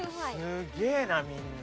すげえなみんな。